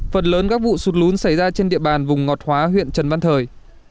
phần lớn các vụ sụt lún xảy ra trên địa bàn vùng ngọt hóa huyện trần văn thời